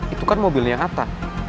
itu kan mobilnya yang atta